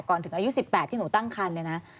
ก่อนถึงอายุ๑๘ที่หนูตั้งคันเลยนะ